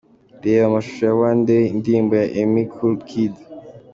Reba amashusho ya 'One day', indirimbo ya Emmy Kul Kid .